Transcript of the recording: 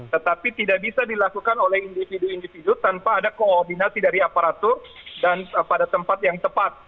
tetapi tidak bisa dilakukan oleh individu individu tanpa ada koordinasi dari aparatur dan pada tempat yang tepat